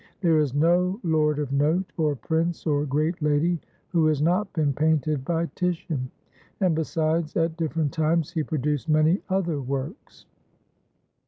There is no lord of note or prince or great lady who has not been painted by Titian ; and besides, at different times, he produced many other works.